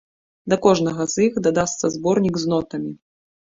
Да кожнага з іх дадасца зборнік з нотамі.